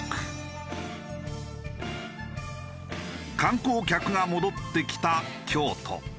観光客が戻ってきた京都。